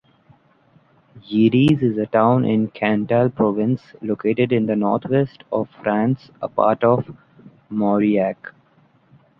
Ydes is a town in Cantal Province, located in the Northwest of France, a part of Mauriac.